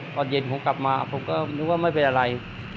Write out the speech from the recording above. ตอนเย็นผมกลับมาผมก็นึกว่าไม่เป็นอะไร